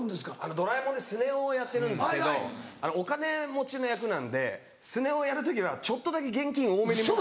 『ドラえもん』でスネ夫をやってるんですけどお金持ちの役なんでスネ夫をやる時はちょっとだけ現金多めに持つ。